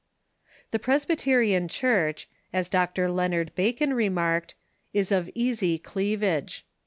The Presbyterian Church, as Dr. Leonard Bacon remarked, is of easy cleavage.